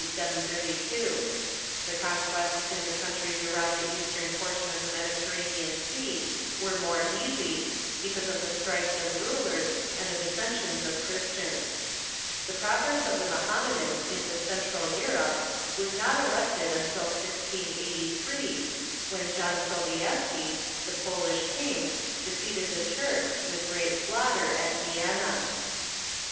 Y32. The conquests in the countries around the eastern portion of the Mediterranean Sea were more easy, because of the strifes of rulers and the dissen sions of Christians. The progress of the Mohammedans into Central Europe was not arrested until 1683, when John Sobi eski, the Polish king, defeated the Turks, with great slaughter, at Vienna.